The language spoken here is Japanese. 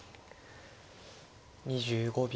２５秒。